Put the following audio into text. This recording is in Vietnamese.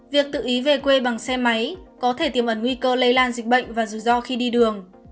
việc tự ý về quê bằng xe máy có thể tiềm ẩn nguy cơ lây lan dịch bệnh và rủi ro khi đi đường